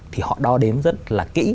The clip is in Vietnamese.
thì họ đo đếm rất là kỹ